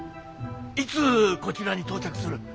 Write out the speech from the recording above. いつこちらに到着する。